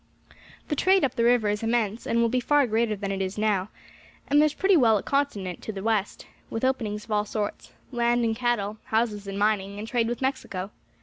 The trade up the river is immense, and will be far greater than it is now; and there's pretty well a continent to the west, with openings of all sorts, land and cattle, houses and mining, and trade with Mexico.